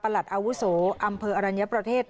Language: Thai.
ประหลัดอาวุโสออำเภอะอารัญญญะประเทศ